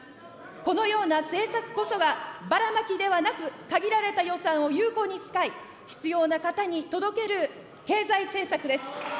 このような政策こそが、ばらまきではなく限られた予算を有効に使い、必要な方に届ける経済政策です。